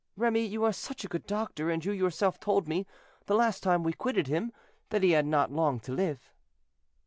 "Remy, you are such a good doctor, and you yourself told me, the last time we quitted him, that he had not long to live."